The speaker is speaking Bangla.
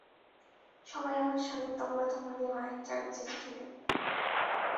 সবাই আমার সামনে তোমরা তোমাদের মায়ের কাছে চিঠি লিখবে।